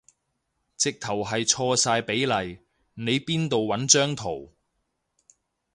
直頭係錯晒比例，你邊度搵張圖